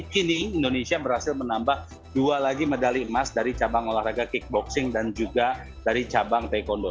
kini indonesia berhasil menambah dua lagi medali emas dari cabang olahraga kickboxing dan juga dari cabang taekwondo